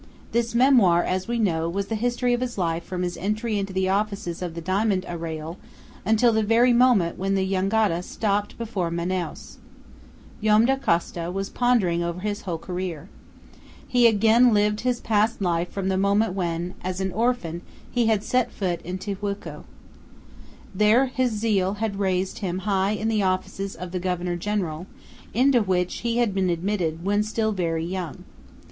This memoir, as we know, was the history of his life from his entry into the offices of the diamond arrayal until the very moment when the jangada stopped before Manaos. Joam Dacosta was pondering over his whole career. He again lived his past life from the moment when, as an orphan, he had set foot in Tijuco. There his zeal had raised him high in the offices of the governor general, into which he had been admitted when still very young.